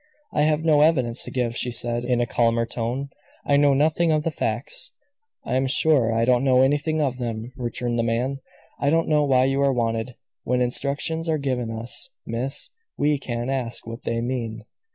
"I have no evidence to give," she said, in a calmer tone. "I know nothing of the facts." "I'm sure I don't know anything of them," returned the man. "I don't know why you are wanted. When instructions are given us, miss, we can't ask what they mean.